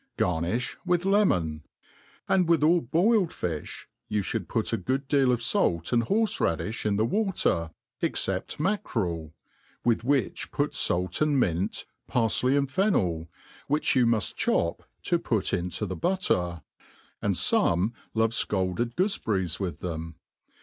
Garnitb witb lemon* And witb all boikd EOi, you (hould put a good deal of fait and horfe raddiOi in the water, qjccept mackerel, with wUeb yat fait and aunr, parfley and fennel, wbicb you muft cbop to put into cbe Imtter ; aad fome love fcaldcd goofcberriev witb (bem.